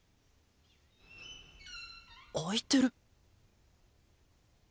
開いてる！